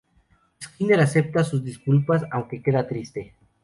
Skinner acepta sus disculpas, aunque queda triste.